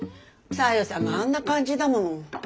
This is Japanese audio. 小夜さんがあんな感じだもん。